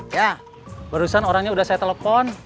ya barusan orangnya udah saya telepon